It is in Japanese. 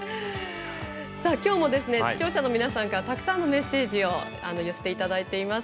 きょうも視聴者の皆さんからたくさんのメッセージを寄せていただいています。